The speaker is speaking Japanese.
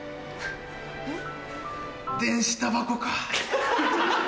電子タバコか。